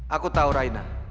aku tahu raina